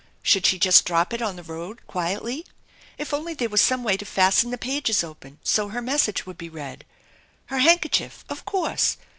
Should she just drop it in the road quietly ? If only there were some way to fasten the pages open so her message would be read! Her handkerchief ! Of course